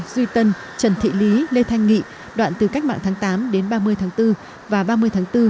duy tân trần thị lý lê thanh nghị đoạn từ cách mạng tháng tám đến ba mươi tháng bốn và ba mươi tháng bốn